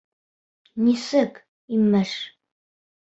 Нисек, имеш!